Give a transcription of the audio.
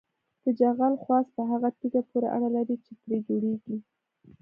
د جغل خواص په هغه تیږه پورې اړه لري چې ترې جوړیږي